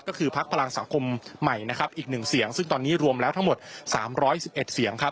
ก็คือพักพลังสังคมใหม่นะครับอีกหนึ่งเสียงซึ่งตอนนี้รวมแล้วทั้งหมด๓๑๑เสียงครับ